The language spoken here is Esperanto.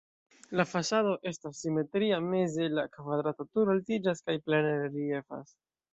La fasado estas simetria, meze la kvadrata turo altiĝas kaj plene reliefas.